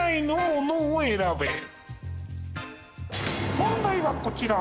問題はこちら。